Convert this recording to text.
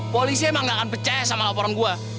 polisi emang gak akan percaya sama laporan gua